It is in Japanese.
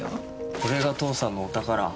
これが父さんのお宝。